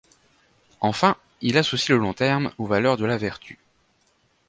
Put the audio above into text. Enfin, il associe le long terme aux valeurs de la vertu.